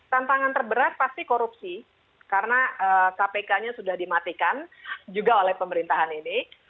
tantangan terberat pasti korupsi karena kpk nya sudah dimatikan juga oleh pemerintahan ini